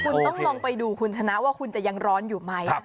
คุณต้องลองไปดูคุณชนะว่าคุณจะยังร้อนอยู่ไหม